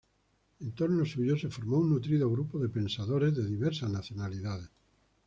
En torno suyo se formó un nutrido grupo de pensadores de diversas nacionalidades.